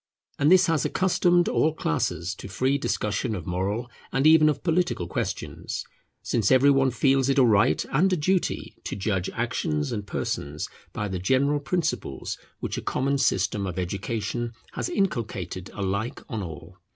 And this has accustomed all classes to free discussion of moral and even of political questions; since every one feels it a right and a duty to judge actions and persons by the general principles which a common system of education has inculcated alike on all.